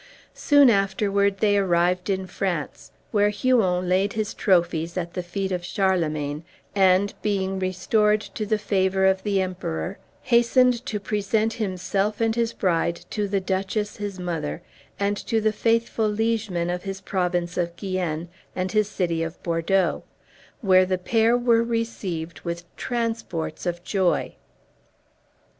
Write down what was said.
Soon afterward they arrived in France, where Huon laid his trophies at the feet of Charlemagne, and, being restored to the favor of the Emperor, hastened to present himself and his bride to the Duchess, his mother, and to the faithful liegemen of his province of Guienne and his city of Bordeaux, where the pair were received with transports of joy.